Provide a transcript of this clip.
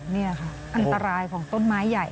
นี่ค่ะอันตรายของต้นไม้ใหญ่